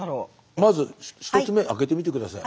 まず１つ目開けてみて下さい。